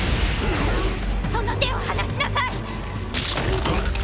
その手を離しなさい！